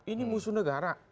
ini musuh negara